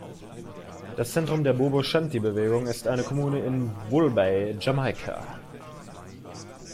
Das Zentrum der Bobo-Shanti-Bewegung ist eine Kommune in Bull Bay, Jamaika.